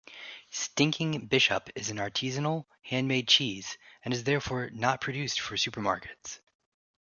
Stinking Bishop is an artisanal, handmade cheese and is therefore not produced for supermarkets.